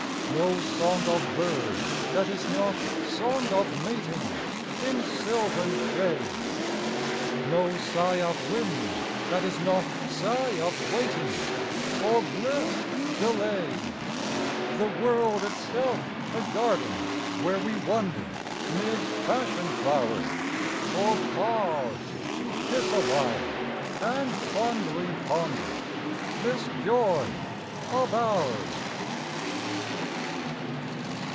No song of bird that is not song of mating, In sylvan shade, No sigh of wind that is not sigh of waiting For bliss delayed. The world itself a garden, where we wander 'Mid passion flowers, Or pause to kiss a while, and fondly ponder This joy of ours.